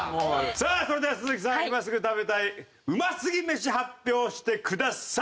さあそれでは鈴木さん今すぐ食べたい美味すぎメシ発表してください。